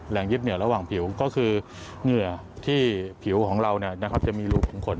ยึดเหนียวระหว่างผิวก็คือเหงื่อที่ผิวของเราจะมีรูของขน